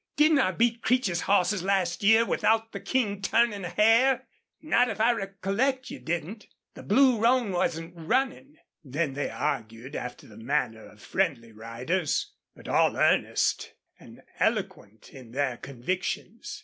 "Didn't I beat Creech's hosses last year without the King turnin' a hair?" "Not if I recollect, you didn't. The Blue Roan wasn't runnin'." Then they argued, after the manner of friendly riders, but all earnest, an eloquent in their convictions.